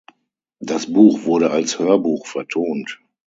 Das Buch wurde als Hörbuch vertont.